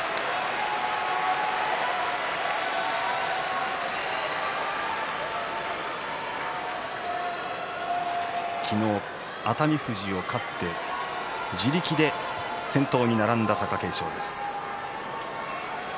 拍手昨日、熱海富士に勝って自力で先頭に並んだ貴景勝です。